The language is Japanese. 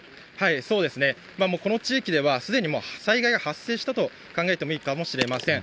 そうですね、この地域では、すでにもう災害が発生したと考えてもいいかもしれません。